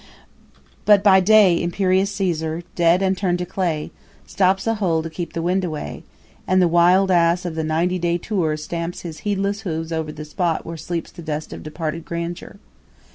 But by day imperious Caesar, dead and turn'd to clay, stops a hole to keep the wind away; and the wild ass of the ninety day tour stamps his heedless hoofs over the spot where sleeps the dust of departed grandeur.